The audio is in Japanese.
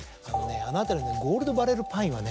あの辺りのゴールドバレルパインはね。